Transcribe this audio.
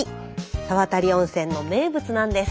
沢渡温泉の名物なんです。